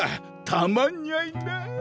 たまんにゃいなあ。